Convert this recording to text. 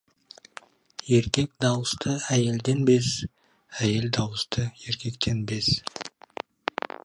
Еркек дауысты әйелден без, әйел дауысты еркектен без.